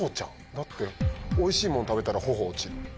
だっておいしいもの食べたらほほ落ちる。